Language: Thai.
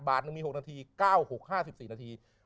หนึ่งมี๖นาที๙๖๕๔นาที